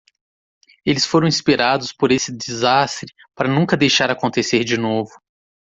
Eles foram inspirados por esse desastre para nunca deixar acontecer de novo.